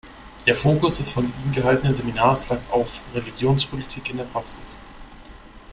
Der Fokus des von ihm gehaltenen Seminars lag auf Religionspolitik in der Praxis.